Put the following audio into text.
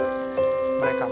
mirta farid balik